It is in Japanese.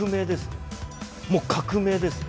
もう革命ですね。